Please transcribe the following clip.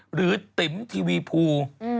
หรือติ๋มทีวีภู